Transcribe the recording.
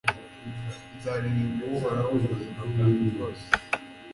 nzaririmba uhoraho, mu buzima bwanjye bwose